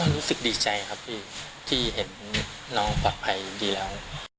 รู้สึกดีใจครับพี่ที่เห็นน้องปลอดภัยดีแล้ว